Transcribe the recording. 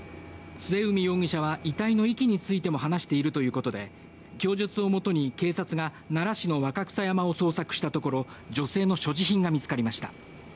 末海容疑者は遺体の遺棄についても話しているということで供述をもとに警察が奈良市の若草山を捜索したところ女性の所持品が見つかりました。